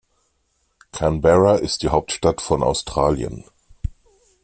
Canberra ist die Hauptstadt von Australien.